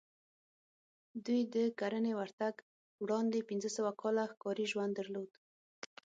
دوی د کرنې ورتګ وړاندې پنځه سوه کاله ښکاري ژوند درلود